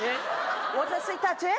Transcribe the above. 私たち？